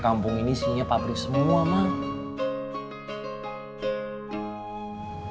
kampung ini isinya pabrik semua ma